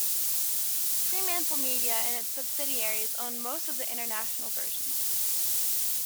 FremantleMedia and its subsidiaries own most of the international versions.